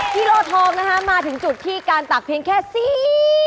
โลทองนะคะมาถึงจุดที่การตักเพียงแค่สี่